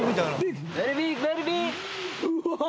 うわ。